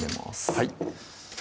はい